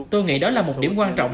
tôi nghĩ đó là một điểm quan trọng